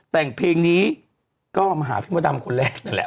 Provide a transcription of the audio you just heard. แต่งเพลงนี้ก็มาหาพี่มดดำคนแรกนั่นแหละ